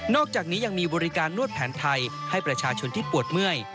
อกจากนี้ยังมีบริการนวดแผนไทยให้ประชาชนที่ปวดเมื่อย